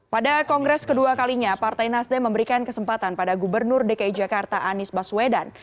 pada kongres kedua kalinya partai nasdem memberikan kesempatan pada gubernur dki jakarta anies baswedan